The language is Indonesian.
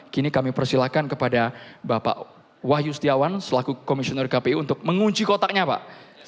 kini kami persilahkan kepada bapak wahyu setiawan selaku komisioner kpu untuk mengunci kotaknya pak